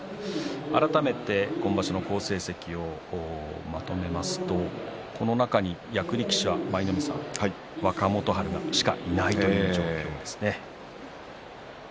改めて今場所の好成績まとめますとこの中に役力士は、舞の海さん若元春しかいないという状況ですね。